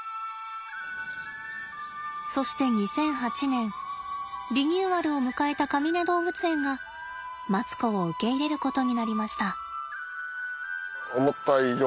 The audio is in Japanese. そして２００８年リニューアルを迎えたかみね動物園がマツコを受け入れることになりました。